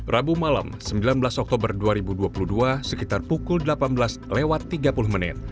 rabu malam sembilan belas oktober dua ribu dua puluh dua sekitar pukul delapan belas lewat tiga puluh menit